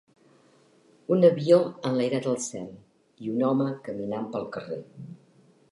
Un avió enlairat al cel i un home caminant pel carrer.